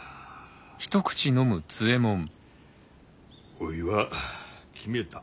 おいは決めた。